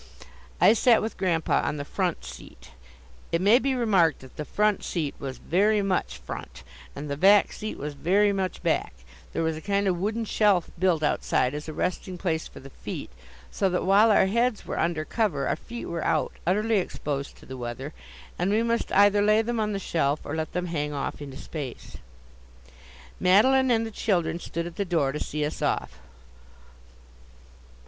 I sat with Grandpa on the "front" seat it may be remarked that the "front" seat was very much front, and the "back" seat very much back there was a kind of wooden shelf built outside as a resting place for the feet, so that while our heads were under cover, our feet were out, utterly exposed to the weather, and we must either lay them on the shelf or let them hang off into space. Madeline and the children stood at the door to see us off.